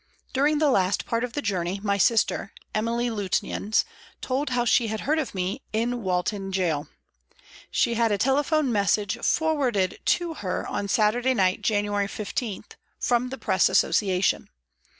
During the last part of the journey my sister, Emily Lutyens, told how she had heard of me in Walton Gaol. She had a telephone message for warded to her on Saturday night, January 15, from the Press Association.